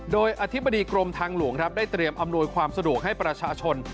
โดยอธิบดีกรมทางหลวงครับได้เตรียมอำนวยความสะดวกให้ประชาชน